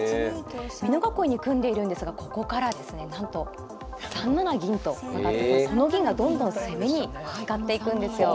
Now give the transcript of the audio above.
美濃囲いに組んでいるんですがここからですねなんと３七銀と上がってその銀がどんどん攻めに使っていくんですよ。